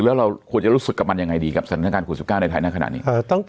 แล้วเราควรจะรู้สึกกับมันยังไงดีกับสถานการณ์โควิด๑๙ในไทยณขณะนี้